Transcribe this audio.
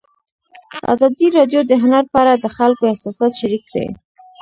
ازادي راډیو د هنر په اړه د خلکو احساسات شریک کړي.